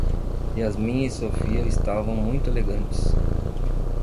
Yasmin e Sophia estavam muito elegantes.